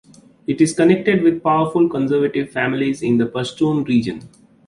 It is connected with powerful conservative families in the Pashtun region.